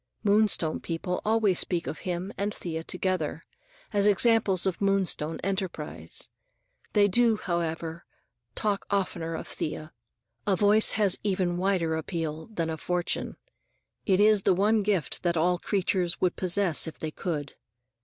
Moonstone people always speak of him and Thea together, as examples of Moonstone enterprise. They do, however, talk oftener of Thea. A voice has even a wider appeal than a fortune. It is the one gift that all creatures would possess if they could.